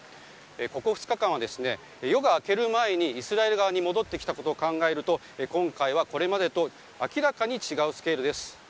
ここ２日間は夜が明ける前にイスラエル側に戻ってきたことを考えると今回は、これまでと明らかに違うスケールです。